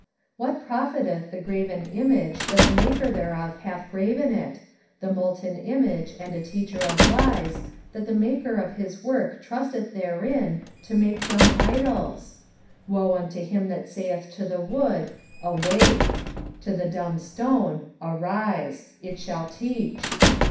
2:18 What profiteth the graven image that the maker thereof hath graven it; the molten image, and a teacher of lies, that the maker of his work trusteth therein, to make dumb idols? 2:19 Woe unto him that saith to the wood, Awake; to the dumb stone, Arise, it shall teach!